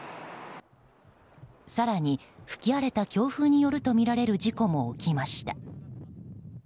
更に吹き荒れた強風によるとみられる事故も起きました。